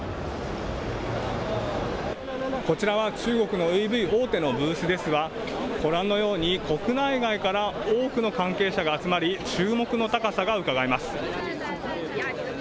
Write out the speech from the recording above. こちらは中国のＥＶ大手のブースですがご覧のように国内外から多くの関係者が集まり注目の高さがうかがえます。